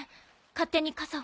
勝手に傘を。